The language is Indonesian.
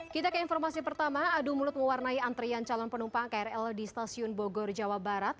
kita ke informasi pertama adu mulut mewarnai antrian calon penumpang krl di stasiun bogor jawa barat